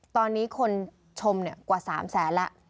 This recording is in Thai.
ตอนนี้คนชมกว่า๓แสนแล้ว